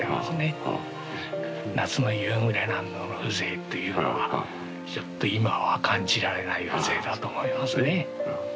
夏の夕暮れなんぞの風情というのはちょっと今は感じられない風情だと思いますね。